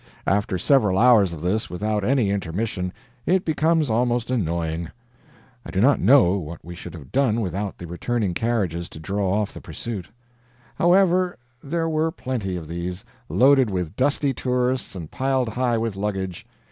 After several hours of this, without any intermission, it becomes almost annoying. I do not know what we should have done without the returning carriages to draw off the pursuit. However, there were plenty of these, loaded with dusty tourists and piled high with luggage.